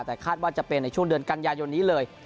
แต่คาดว่าจะเป็นในช่วงเดือนกันยายนนี้เลย